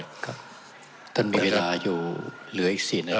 บ๊วยบุรูธิ์ท่านมีเวลาอยู่เหลืออีกสิบนาที